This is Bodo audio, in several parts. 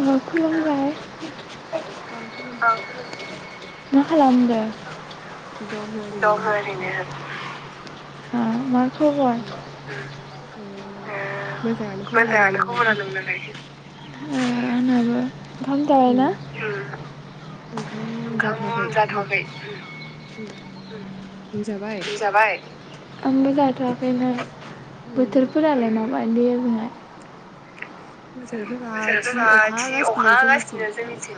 औ खुलुम मा खालामदों दं ओरैनो [unintelligible] उम ओ मोजाङानो खबरा नोंनालाय [inaudible] आंनाबो ओंखाम जाबायना उम ओम ओंखाम ओंखाम जाथ'वाखै उम जाथ'खै उम नों जाबाय आंबो जाथआखैनो उम बोथोरफोरालाय [unintelligible] [inaudible] [unintelligible] अखा हागासिनो जोंनिथिं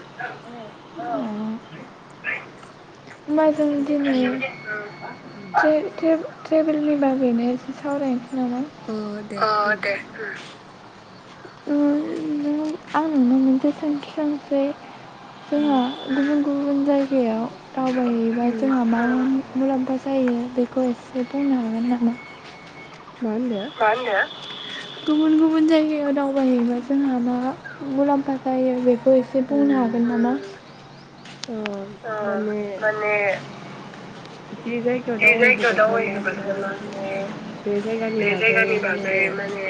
ओम ओमबा जों दिनै उम ओम उम ट्रे ट्रे ट्रेबेलनि बागैनो एसे सावरायन अ दे ओम [unintelligible] आं नोंनाव मोनसे सोंथि सोंसै जोंहा उम ओम गुबुन गुबुन जायगायाव मा दावबायहैबा जोंहा मा मुलाम्फा जायो बेखौ एसे बुंनो हागोन नामा मा होनदो गुबुन गुबुन जायगायाव दावबायहैबा जोंहा मा मुलाम्फा जायो बे बो एसे बुंनो उम हागोन नामा अ ओम अह माने माने बिदि जायगायाव बे जायगायाव दावबायहैबाथाय मा होने दावबायहैबाथाय माने बे जायगानि बे बागै जायगानि माने बागै माने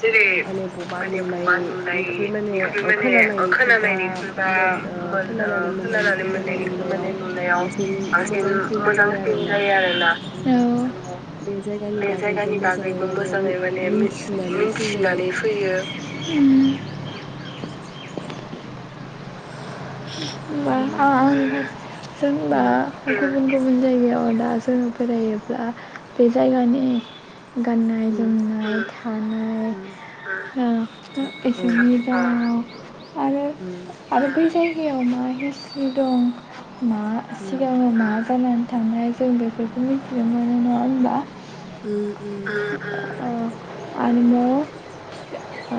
जेरै माने बबा माने बबा नुनायनिख्रुइ माने नुनायनिख्रुइ ओ माने खोनानायनिख्रुइ बा खोनानायनिख्रुइ बा मोन ओ मोनं खोनानानै ओ खोनानानै मोननायनिख्रुइ माने मोननायनिख्रुइ नुनायाव माने नुनायाव बांसिन बांसिन जायो मोजांसिन आरोना जायो आरोना औ आं बे जायगानि बे बागैबो जायगानि मोजाङै बागैबो माने मोजाङै माने मिन मिथिनानै फैयो मिन्थिनानै फैयो होनबा आं जेनबा गुबुन गुबुन जायगायाव दा जोङो बेरायोब्ला बे जायगानि गाननाय जोमनाय थानाय ओ एसोरनि राव आरो आरो बै जाय गायाव मा हिस्थरि दं मा सिगाङाव मा जानानै थांनाय जों बेफोरखौ मिथिनो मोनो नङा होनबा ओम ओम आरिमु आ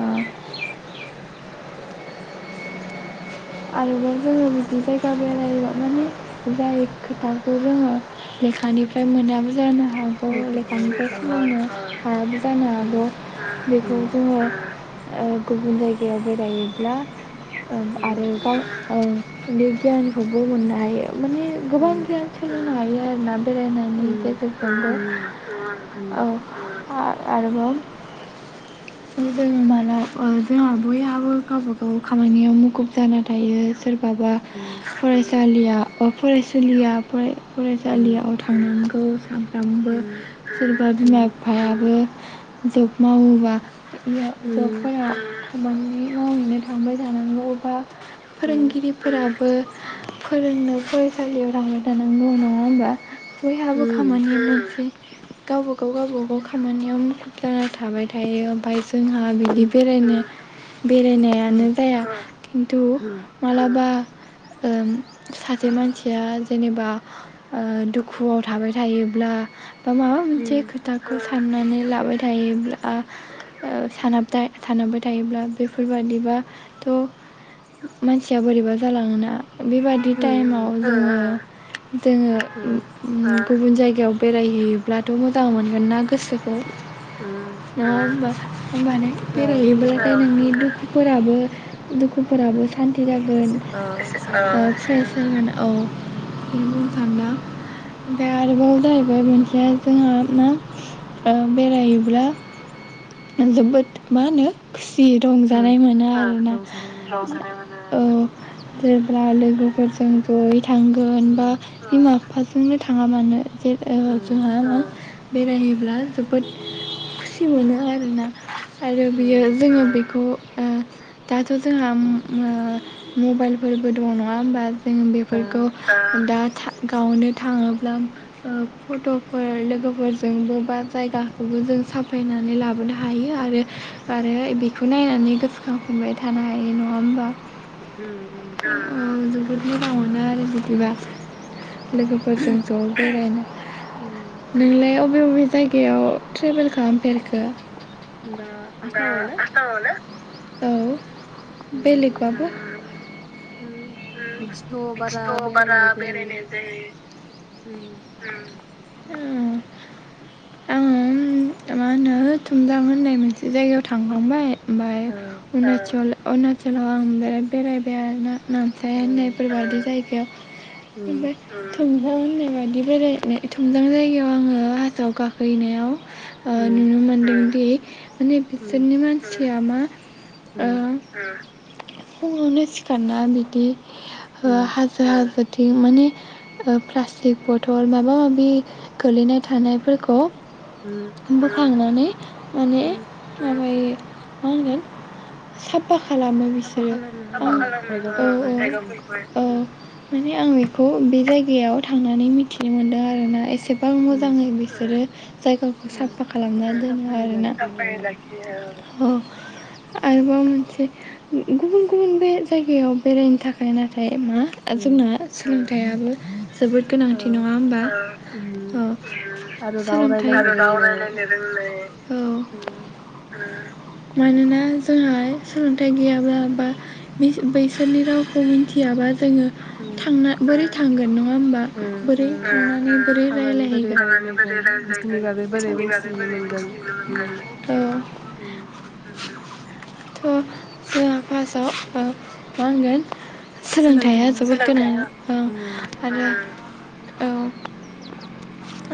आरोबाव जोङो बिदि जायगा बेरायोबा माने जाय खोथाखौ जोङो लेखानिफ्राय मोना जानो हागौ लेखानिफ्राय बेखौ सोलोंनो हायाबो जानो हागौ बेखौ जोङो ओ गुबुन जायगायाव बेरायोब्ला आरो गाव औ बे गियानखौबो मोननो हायो। माने गोबां गियान सोलोंनो हायो। [inaudible] बेरायनायनि गेजेरजोंबो औ। आ आरोबाव [unintelligible] जोंहा बयहाबो गावबा गाव खामानियाव मुखुब। जाना थायो। सोरबाबा फरायसा। सालिया फरायसुलिया फराय। फरायसालियाव थां [unintelligible] सामबो सोरबा बिमा फायाबो। जब मावोबा जबफोरा खामानि मावैनो थांबाय। जानांगौबा। जोंखो फोरोंगिरिफोरा। बो फोरोंनो फरायसालियाव थांबाय थानांगौ नङा होमबा। बयहाबो खामानि लसै गावबा गाव गावबागाव खामानियाव मुखुब जाना थाबाय थायो ओमफाय। जोंहा बिदि बेरायनो। बेरायनायानो जाया। [unintelligible] बा ओ सासे मानसिया जेनेबा ओ दुखुआव थाबाय थायोब्ला। बा माबा मोनसे खोथा साननानै लाबाय थायोब्ला सानाबाथाय [unintelligible] थायोब्ला बेफोरबादिबाथ'। मानसिया बोरैबा जालाङोना। बेबादि टाइमाव जोङो। जोङो। गुबुन जायगायाव बेरायहैयोब्लाथ' मोजां मोनगोन ना गोसोखौ। [unintelligible] होमबानो बेरायहोयोब्लाथाय नोंनि दुखु फोराबो। दुखुफोराबो सान्ति जागोन एसे ओ एसे [unintelligible] औ बुंनो सानला ओमफाय आरोबाव जाहैबाय मोनसेया जोंहा मा ओ बेरायोब्ला जोबोद मा होनो। जि उम रंजानाय मोनो आरोना। रंजानाय मोनो औ जेब्ला लोगोफोरजों जयै थांगोन बा उम बिमा बिफा जोंनो थाङा मानो जे ओ उम जोंहा न बेरायोब्ला जोबोद खुसि मोनो आरोना आरो बियो उम जोङो बेखौ ओ दाथ' जोंहा उम ओ मबाइलफोरबो दङ नङा होमबा जों ओ बेफोरखौ ओ दा था गावनो थाङोब्ला ओ फट'फोर लोगोफोरजोंबो बा जायगाखौबो जों साफायनानै लाबोनो हायो आरो आरो बेखौ नायनानै गोसोखां मोनबाय थानो हायो नङा होमबा? उम उम औ बेनि राव मोनो आरो बिदिबा उम लोगोफोरजों ज' बेरायनो होमबा नोंलाय अ बबे बबे जायगायाव ट्रेभेल खालामफेरखो बा आसामाव ना? आसाअनो औ उम बेलेगबाबो उम बिदिथ' बारा बिदिथ' बारा बेरायनाय जायो बेरायनाय उम ओ आङो मा होनो थुमजां होननाय मोनसे जायगायाव थांखांबाय ओमबाय ओ अ-अरुणाचलाव आं बे-बेरायबाया ना आमफ्राय ओ होननायफोरबादि जायगायाव उम ओफ्राय थौ नों होननाय बायदि बेरायनाय थुमजां जायगायाव आङो हाजोआव गाखहैनायाव ओ नुनो उम मोनदोंदि माने उम बिसोरनि मानसि सियामा ओं उम फुंआवनो सिखारना बिदि हाजो हाजो थि माने प्लास्टिक बथल माबा माबि गोलैनाय थानायफोरखौ उम उम बोखांनानै माने माबायो [unintelligible] साफ्फा खालामो साफा बिसोरो खालामो ओ औ, औ जायगाफोरखौहाय औ औ। माने आं बेखौ बे जायगायाव थांनानै मिथिनो मोनदों। आरोना एसे बां उम मोजाङै बिसोरो जायगाखौ उम साफा खालामना दोनो साफायै आरो ना लाखियो औ। आरोबाव मोनसे गुबुन गुबुन बे जायगायाव बेरायनो थाखाय नाथाय बे मा उम जोंना सो थायाबो। जोबोर ओ गोनांथि नङा होमबा उम औ आरो राव सोलोंथाइ रायलायनो रोंनाय औ। उम मानो ना। जोंहा सोलोंथाइ गैयाबा बा बै बैसोरनि रावखौ मिन्थियाबा जोङो उम थांना बोरै थांगोन। नङा होमबा उम बोरै उम थांनानै बोरै थांनानै बोरै रायलायहैगोन रायलायगोन बिसोरनि बागै बोरै मिथिनो मोनगोन उम ओ। उम थ' जोंहा फार्स्टआव ओ मा होनगोन। सोलोंथाइ सोलोंथाइया हो जोबोद गोनां ओ उम आरो औ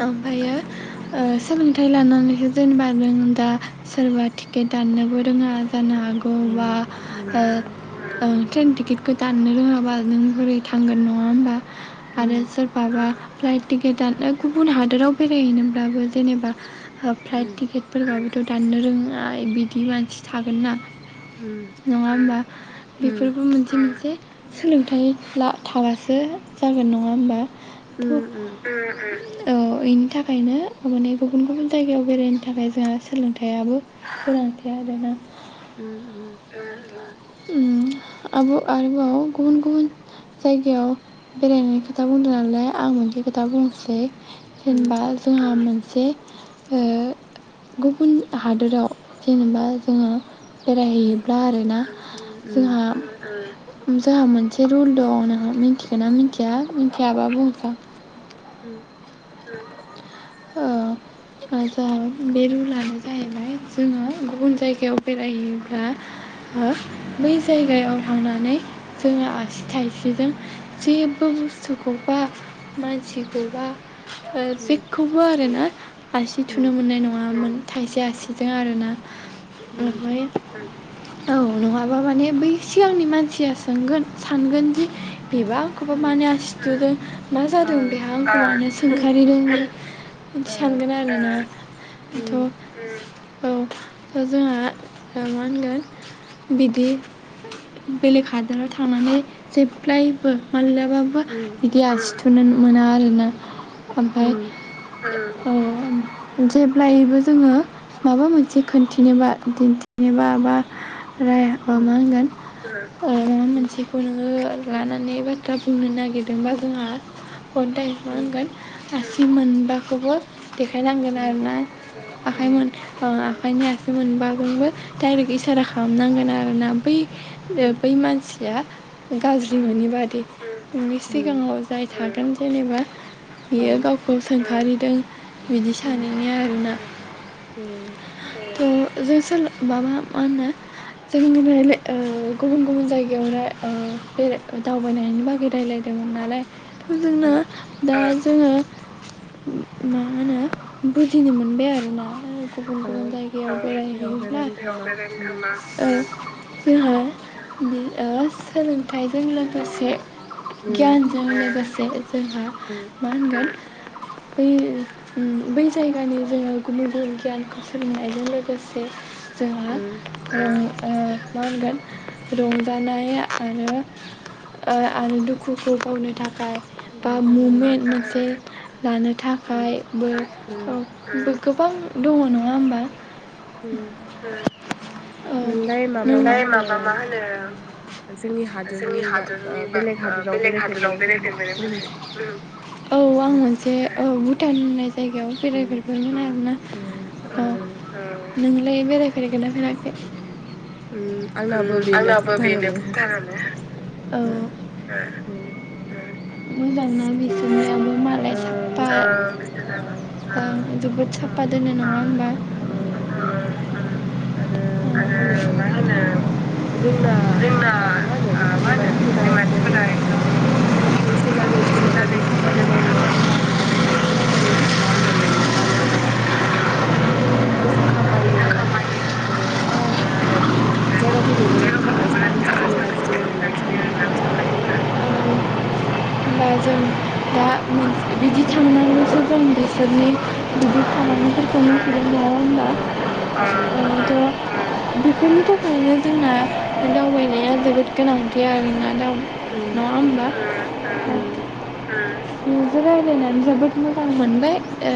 ओमफायो ओ सोलोंथाइ लानानैसो जेनेबा नों दा सोरबा टिकेट दाननोबो रोङा जानो हागौ बा उम ओ उम ओ ट्रेन टिकेटखौ दाननो रोङाबा नों बोरै थांगोन, नङा होमबा? आरो उम सोरबा बा फ्लाइट टिकेट दाननो गुबुन हादोराव बेरायहैनोब्लाबो जेनेबा फ्लाइट उम टिकेट फोरबाबो दाननो रोङा बिदि मानसि थागोन ना। उम नङा होमबा? उम बेफोरबो मोनसे मोनसे सोलोंथाइ ला थाबासो जागोन नङा होमबा? उम थ' ओ इनि थाखायनो माने गुबुन गुबुन जायगायाव बेरायनो थाखाय जोंहा सोलोंथाइआबो गोनांथार आरोना। उम उम उम। उम आब' आरबाव गुबुन गुबुन जायगायाव बेरायनाय खोथा बुंदों आरोना आं मोनसे खोथा बुंनोसै। उम जेनेबा जोंहा मोन जे ओ गुबुन हादोराव जेनेबा जोङो उम बेरायहैयोब्ला आरोना उम उम जोंहा जोंहा मोनसे रुल दं न म मिथिखग ना मिथिया जाबाबो बु उम उम ओ जोहा बे रुलानो जाहैबाय जोङो गुबुन जायगायाव बेरायहैयोब्ला ओ बै जायगायाव थांनानै जोङो आसि थाइसिजों जेबो बुस्थुखौबा मानसिखौबा उम ओ जेखौबो आरोना आसि ओ थुनो मोननाय नङामोन थाइसे आसिजों आरो ना ओफ्राय औ नङाबा माने बै सिगांनि मानसिया सोंगोन सानगोन जि बिबा आंखौबा मानो आसिथुदों मा जादों बेहा आंखौ मानो सोंखारि दं बिदि सानगोन आरोना बेथ उम औ दा जोंहा मा होनगोन बिदि बेलेग हादराव थांनानै जेब्लायबो मान उम [unintelligible] थुनो मोना आरोना ओमफाय उम ओ जेब्लायबो जोङो माबा मोनसे खिन्थिनोबा दिन्थिनोबा बा राय मा उम होनगोन हम माबा उम मोनसेखौ नोङो लानानै बाथ्रा बुंनो नागिरदोंबा जोंहा हदाइ मा होनगोन आसि मोनबाखौबो देखायनांगोन आरोना आखाइ मोन खायनो आाससि मोनबाबोनबो डाइरेक्ट इसारा खालामनांगोन आरोना बै ओ बै मानसि या गाज्रि मोनोनि बादि नोंनि सिगाङाव जाय थागोन जेनेबा। बियो गावखौ सोंखारि दों। बिदि सानैनि आरोना। उम। थ' जों माबा मा होनो जों रायलायनाय गुबुन गुबुन जायगायाव बेराय दावबायनायनि बागै राय्लायदोंमोन नालाय। जोंना दा जोङो मा होनो बुजिनो मोनबाय आरोना। गुबुन गुबुन जायगायाव बेरायहैयोब्ला जोंहा ओ सोलोंथाइजों लोगोसे गियान जों लोगोसे जोंहा मा होनगोन बै बै जायगानि जोङो गुबुन गुबुन गियानखौ सोलोंनायजों लोगोसे जोंहा ओ ओ मा होनगोन रंजानाय आरो आरो दुखुखौ गावनो थाखाय [unintelligible] ममेन्ट मोनसे [inaudible] लानो थाखायबो औ गोबां दङ नङा होमबा। उम नोंलाय माबा मा ओमफ्राय होनो माबा मा होनो जोंनि जोंनि हादोरनि बा हादरनि बा बेलेग ओ हादोराव बेलेग हादराव बेरायफेरबाय फेराखै? बेरायफेरबायना औ आं मोनसे औ भुटान होननाय जायगायाव बेराय उम, फेरबायमोन आरोना उम, ओ उम, नों लाय बेरायफेरगोना फेराखै? उम उम. आंनाबो बेनो आंनाबो बेनो भुटानानो भुटानानो। ओ, उम. औ। मोजांना बिसोरनि याबो मालाय ओ, साफ्फा बिसोरनाबो ओ, औ। [unintelligible] आरो मा आरो होनो मा होनो जोंना जोंना ओ मा होनो ओ बिसोरनि मा होनो मानसिफोरा बिसोरनि एकदम मानसिफोरा एकदम बैसो जानाय मिथिंगानि [unintelligible] खामानि सायाव मावो खामानि जेनेबा खस्थ'यै मावनानै जेनेबा ओ फैसा खामायो फैसा आरो खामायो बिराद जायगाफोरखौ बिराद ओ जेरावबो साखोन सिखोनै लाखियो आरोना बिसनि लाखियो आरोना मानसिफोरा उम होनबा जों दा बिद बिदि थांनानैसो जों बिसोरनि बिदि उम खामानिफोरखौ मावहैदों नङा अ अ होनोमबा उम ओरोयैनोथ' बेफोरनि थाखायनो जोंना दावबायनाया जोबोद गोनांथि आरोना। दाव उम नङा उम होमबब्ला। उम उम नोंजों रायज्लायनानै जोबोद मोजां मोनबाय। ओ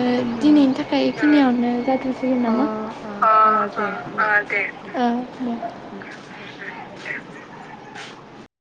दिनैनि थाखाय बेखिनियावनो जाथ' सिगोन नामा अ अ अ दे उम ओ दे। उम दे [inaudible]